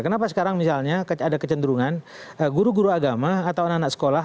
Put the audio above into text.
kenapa sekarang misalnya ada kecenderungan guru guru agama atau anak anak sekolah